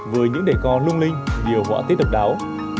với những đề co lung linh điều họa tết độc đáo